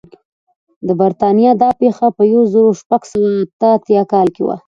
د برېټانیا دا پېښه په یو زرو شپږ سوه اته اتیا کال کې وه.